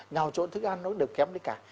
nào trộn thức ăn nó đều kém đi cả